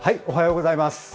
おはようございます。